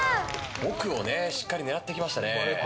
奥をしっかり狙ってきましたね。